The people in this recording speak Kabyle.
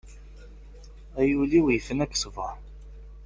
A yul-iw ifna-k ssbeṛ!